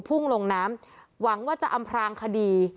พุ่งลงน้ำหวังว่าจะอำพลางคดี